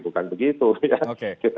bukan begitu ya